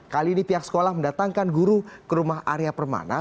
kali ini pihak sekolah mendatangkan guru ke rumah arya permana